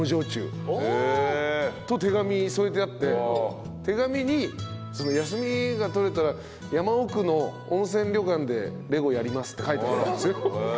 と手紙添えてあって手紙に「休みがとれたら山奥の温泉旅館でＬＥＧＯやります」って書いてあったんですよ。